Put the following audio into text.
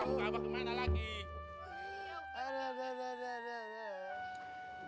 aduh abah abah abah